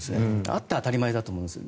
あって当たり前だと思うんです。